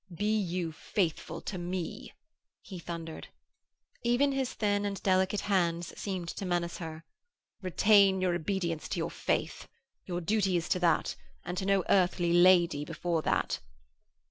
'Be you faithful to me,' he thundered. Even his thin and delicate hands seemed to menace her. 'Retain your obedience to your Faith. Your duty is to that, and to no earthly lady before that.'